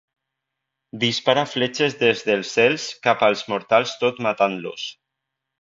Dispara fletxes des dels cels cap als mortals tot matant-los.